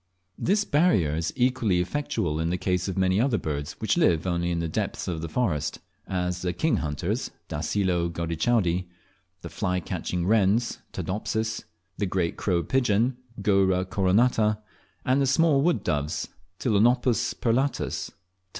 This barrier is equally effectual in the case of many other birds which live only in the depths of the forest, as the kinghunters (Dacelo gaudichaudi), the fly catching wrens (Todopsis), the great crown pigeon (Goura coronata), and the small wood doves (Ptilonopus perlatus, P.